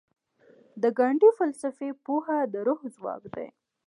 د ګاندي فلسفي پوهه د روح ځواک دی.